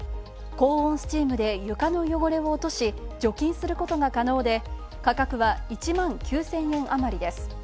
高温スチームで床の汚れを落とし、除菌することが可能で、価格は１万９０００円あまりです。